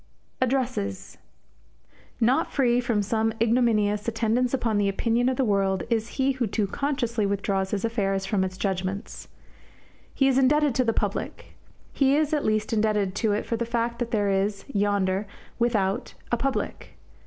ADDRESSES Not free from some ignominious attendance upon the opinion of the world is he who too consciously withdraws his affairs from its judgements. He is indebted to "the public." He is at least indebted to it for the fact that there is, yonder, without, a public.